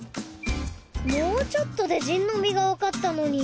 ・もうちょっとで「じんのび」がわかったのに。